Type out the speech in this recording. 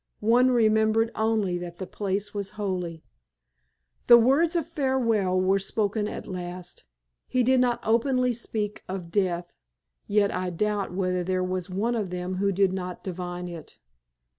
One remembered only that the place was holy. The words of farewell were spoken at last. He did not openly speak of death, yet I doubt whether there was one of them who did not divine it.